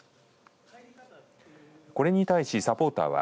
これに対しサポーターは